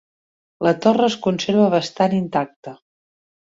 La torre es conserva bastant intacta.